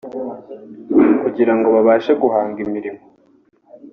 kugira ngo babashe guhanga imirimo